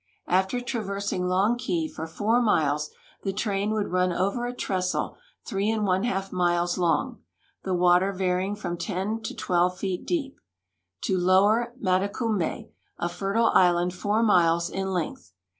After traversing Long Key for four miles the train would run over a trestle three and one half miles long— the water vaiw ing from 10 to 12 feet deep — to Lower Matecumhe, a fertile island four miles in length.